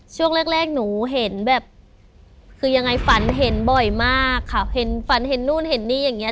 ช่วงแรกแรกหนูเห็นแบบคือยังไงฝันเห็นบ่อยมากค่ะเห็นฝันเห็นนู่นเห็นนี่อย่างเงี้